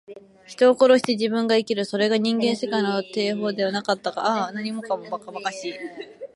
人を殺して自分が生きる。それが人間世界の定法ではなかったか。ああ、何もかも、ばかばかしい。